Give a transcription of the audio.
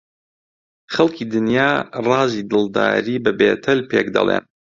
خەڵکی دنیا ڕازی دڵداری بە بێتەل پێک دەڵێن